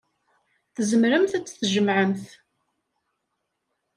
Tzemremt ad t-tjemɛemt.